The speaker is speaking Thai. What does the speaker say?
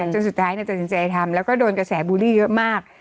จนสุดท้ายตัดสินใจทำแล้วก็โดนกระแสบูลลี่เยอะมาก